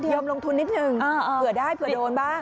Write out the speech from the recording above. ยอมลงทุนนิดนึงเผื่อได้เผื่อโดนบ้าง